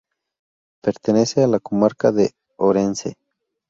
Pertenece a la comarca de Orense.